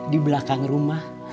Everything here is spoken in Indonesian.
di belakang rumah